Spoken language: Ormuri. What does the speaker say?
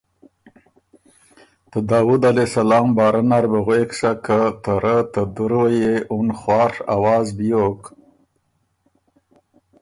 ته داؤد علیه السلام باره نر بو غوېک سۀ که ته رۀ ته دُروئ يې اُن خواڒ اواز بيوک